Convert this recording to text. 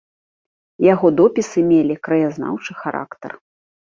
Яго допісы мелі краязнаўчы характар.